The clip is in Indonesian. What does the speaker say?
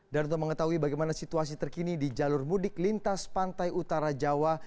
dan untuk mengetahui bagaimana situasi terkini di jalur mudik lintas pantai utara jawa